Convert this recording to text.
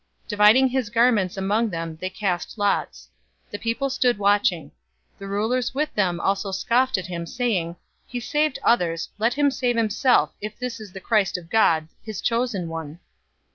Dividing his garments among them, they cast lots. 023:035 The people stood watching. The rulers with them also scoffed at him, saying, "He saved others. Let him save himself, if this is the Christ of God, his chosen one!"